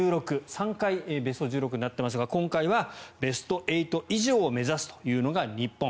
３回ベスト１６になっていますが今回はベスト８以上を目指すというのが日本。